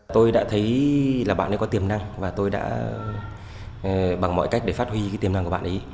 tôi đã thấy là bạn ấy có tiềm năng và tôi đã bằng mọi cách để phát huy